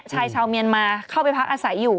ชายชาวเมียนมาเข้าไปพักอาศัยอยู่